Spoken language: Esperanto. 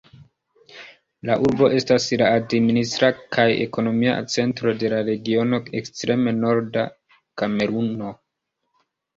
La urbo estas la administra kaj ekonomia centro de la regiono Ekstreme norda Kameruno.